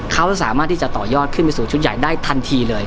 เขาจะสามารถที่จะต่อยอดขึ้นไปสู่ชุดใหญ่ได้ทันทีเลย